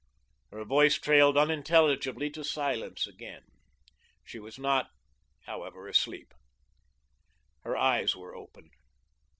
Her voice trailed unintelligibly to silence again. She was not, however, asleep. Her eyes were open.